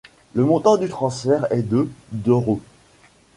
Le montant du transfert est de d'euros.